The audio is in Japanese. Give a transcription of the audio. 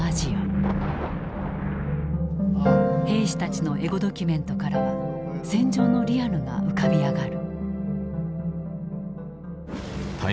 兵士たちのエゴドキュメントからは戦場のリアルが浮かび上がる。